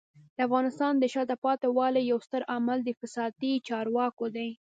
د افغانستان د شاته پاتې والي یو ستر عامل د فسادي چارواکو دی.